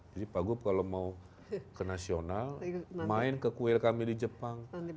jadi pak gu kalau mau ke nasional main ke kuil kami di jepang